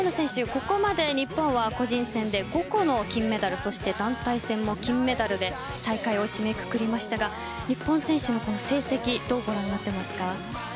ここまで日本は個人戦で５個の金メダルそして団体戦も金メダルで大会を締めくくりましたが日本選手の成績はどうご覧になっていますか。